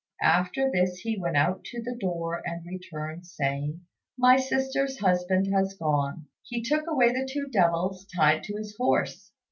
After this he went out to the door and returned, saying, "My sister's husband has gone. He took away the two devils tied to his horse.